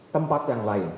tempat yang lain